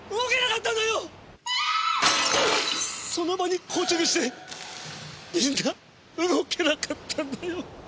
その場に硬直してみんな動けなかったんだよ！